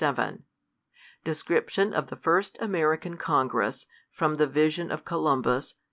133 Description of the first American Congress > FROM THE Vision of Columbus.